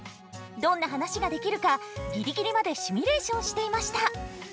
どんな話ができるかギリギリまでシミュレーションしていました。